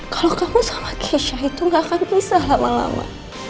kalau kamu sama kiesya itu gak akan pisah lama lama